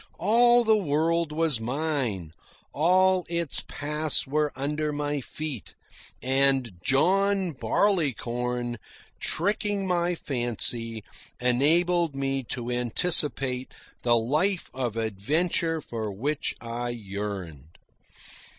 All the world was mine, all its paths were under my feet, and John Barleycorn, tricking my fancy, enabled me to anticipate the life of adventure for which I yearned.